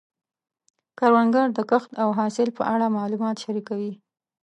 کروندګر د کښت او حاصل په اړه معلومات شریکوي